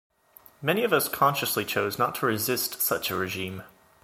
Many of us consciously chose not to resist such a regime.